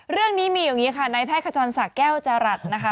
เรื่องนี้มีอย่างนี้ค่ะไนท์ไพรคชวัญศักดิ์แก้วจารัฐ